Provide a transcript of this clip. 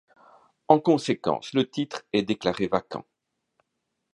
En conséquence, le titre est déclaré vacant.